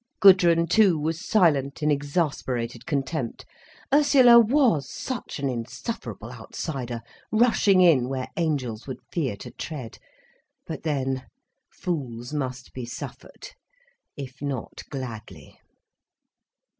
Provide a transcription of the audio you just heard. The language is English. Gudrun too was silent in exasperated contempt. Ursula was such an insufferable outsider, rushing in where angels would fear to tread. But then—fools must be suffered, if not gladly.